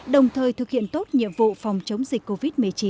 đồng thời thực hiện tốt nhiệm vụ phòng chống dịch covid một mươi chín